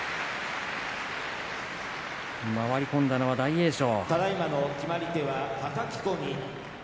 回り込んだのは大栄翔。